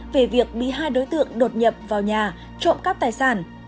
về việc bị hai đối tượng đột nhập vào nhà trộm cắp tài sản